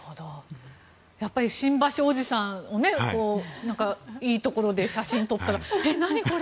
やっぱり新橋おじさんをいいところで写真を撮ったら何、これ？